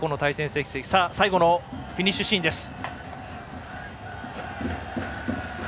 最後のフィニッシュシーンです。